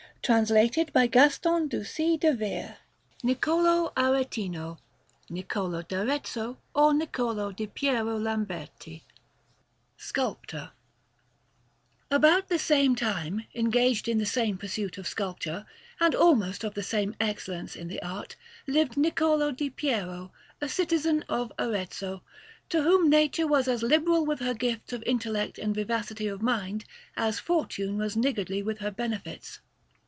Lucca: Museo) Brogi] NICCOLÒ ARETINO LIFE OF NICCOLÒ ARETINO [NICCOLÒ D'AREZZO OR NICCOLÒ DI PIERO LAMBERTI] SCULPTOR About the same time, engaged in the same pursuit of sculpture, and almost of the same excellence in the art, lived Niccolò di Piero, a citizen of Arezzo, to whom Nature was as liberal with her gifts of intellect and vivacity of mind as Fortune was niggardly with her benefits.